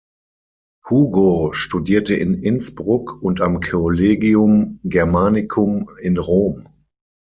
Hugo studierte in Innsbruck und am Collegium Germanicum in Rom.